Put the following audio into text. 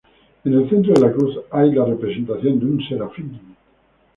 En el centro de la cruz hay la representación de un serafín.